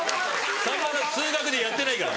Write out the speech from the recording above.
さんまさん数学でやってないから。